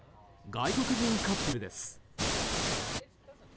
外国人カップルです。